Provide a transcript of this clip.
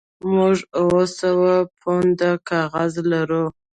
موږ اوه سوه پونډه کاغذ لرو